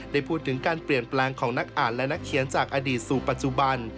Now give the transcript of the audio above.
ได้พูดถึงการเปลี่ยนแปลงของนักอ่านและนักเขียนจากอดีตสู่ปัจจุบัน